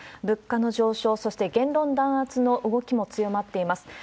物価の上昇、そして言論弾圧の動きも強まっています。